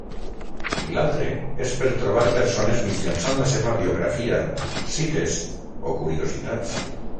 I l’altre és per trobar persones mitjançant la seva biografia, cites o curiositats.